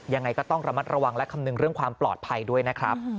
ยังไงก็ต้องระมัดระวังและคำนึงเรื่องความปลอดภัยด้วยนะครับ